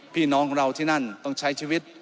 พี่น้องเราที่นั่นต้องใช้ชีวิต